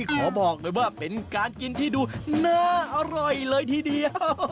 ขอบอกเลยว่าเป็นการกินที่ดูน่าอร่อยเลยทีเดียว